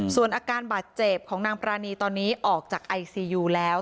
ส่วนอาการบาดเจ็บของนางปรานีตอนนี้ออกจากไอซียูแล้ว